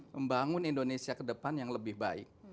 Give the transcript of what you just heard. membangun indonesia ke depan yang lebih baik